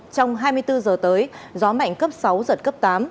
trong hai mươi bốn giờ tới gió mạnh cấp sáu giật cấp tám